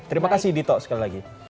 terima kasih dito sekali lagi